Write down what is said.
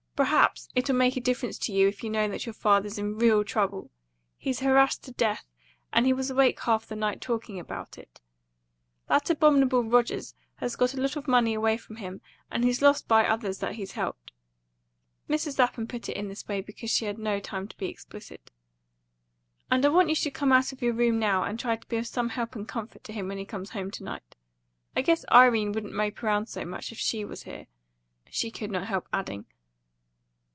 "Perhaps it'll make a difference to you if you know that your father's in REAL trouble. He's harassed to death, and he was awake half the night, talking about it. That abominable Rogers has got a lot of money away from him; and he's lost by others that he's helped," Mrs. Lapham put it in this way because she had no time to be explicit, "and I want you should come out of your room now, and try to be of some help and comfort to him when he comes home to night. I guess Irene wouldn't mope round much, if she was here," she could not help adding.